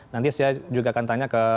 nanti saya juga akan tanya ke